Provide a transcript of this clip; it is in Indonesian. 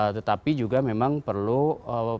tetapi juga memang perlu